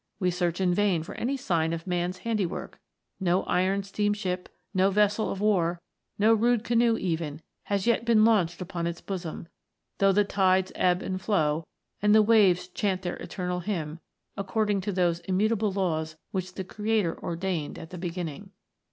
We search in vain for any sign of Man's handiwork ; no iron steam ship, no vessel of war, no rude canoe even, has yet been launched upon its bosom, though the tides ebb and flow, and the waves chant their eternal hymn, according to those immutable laws which the Creator ordained at the beginning.